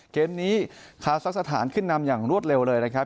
เกมนี้คาซักสถานขึ้นนำอย่างรวดเร็วเลยนะครับ